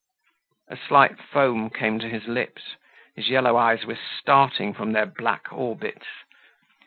A slight foam came to his lips, his yellow eyes were starting from their black orbits.